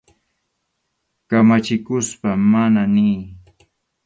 Kamachikuspa «mana» niy.